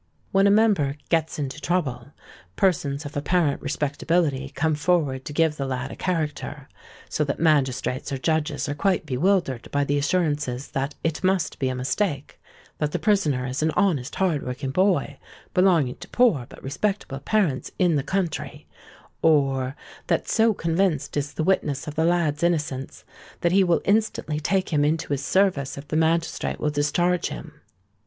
When a member "gets into trouble," persons of apparent respectability come forward to give the lad a character; so that magistrates or judges are quite bewildered by the assurances that "it must be a mistake;" "that the prisoner is an honest hard working boy, belonging to poor but respectable parents in the country;" or "that so convinced is the witness of the lad's innocence, that he will instantly take him into his service if the magistrate will discharge him."